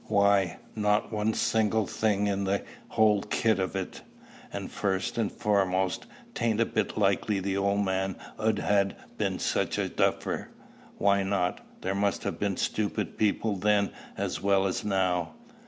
"Why, not one single thing in the whole kit of it. And first and foremost, 'tain't a bit likely the old man 'ud ha' been sich a duffer." "Why not? There must have been stupid people then as well as now."